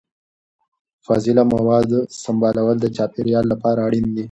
د فاضله موادو سمبالول د چاپیریال لپاره اړین دي.